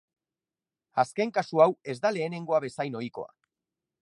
Azken kasu hau ez da lehenengoa bezain ohikoa.